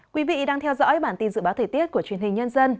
quý vị đang theo dõi bản tin dự báo thời tiết của truyền hình nhân dân